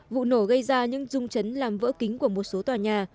vụ nổ gây ra những rung chấn làm vỡ kính của một số tòa nhà